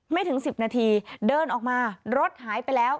ถึง๑๐นาทีเดินออกมารถหายไปแล้ว